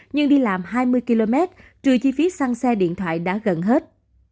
nhưng đi làm hai mươi km trừ chi phí xăng xe điện thoại đã gần hết